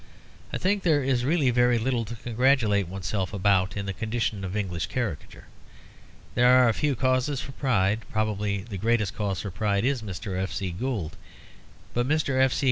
I think there is really very little to congratulate oneself about in the condition of English caricature. There are few causes for pride; probably the greatest cause for pride is Mr. F. C. Gould. But Mr. F. C.